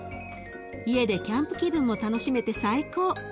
家でキャンプ気分も楽しめて最高。